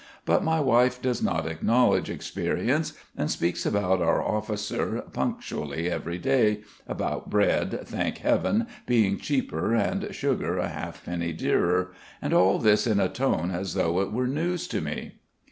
But my wife does not acknowledge experience and speaks about our officer punctually every day, about bread, thank Heaven, being cheaper and sugar a half penny dearer and all this in a tone as though it were news to me.